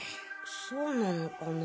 そうなのかな？